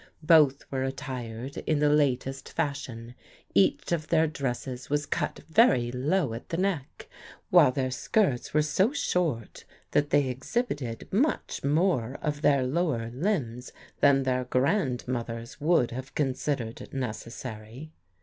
Both were attired in the latest fashion ; each of their dresses was cut very low at the neck, while their skirts were so short that they exhibited much more of their lower limbs than their grandmothers would have considered necessary.